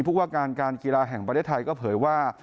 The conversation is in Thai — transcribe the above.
ผู้ว่าการการกีฬาแห่งประเทศไทยก็เผยว่า